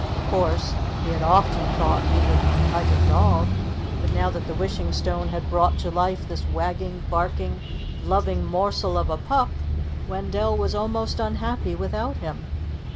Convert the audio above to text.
Of course, he had often thought he would like a dog; but now that the Wishing Stone had brought to life this wagging, barking, loving morsel of a pup, Wendell was almost unhappy without him.